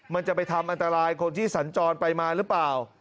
มันจะไปทำอันตรายคนที่สัญจรไปมาหรือเปล่า